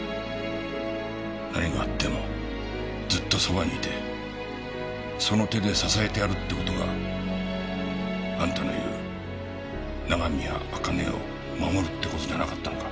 何があってもずっとそばにいてその手で支えてやるって事があんたの言う長宮茜を守るって事じゃなかったのか？